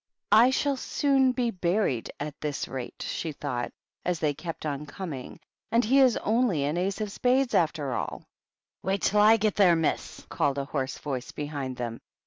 " I shall soon be buried at this rate," she thought, as they kept on coming. "And he is only an Ace of Spades, after all I" " Wait till / get there, miss," called a hoarse voice behind them.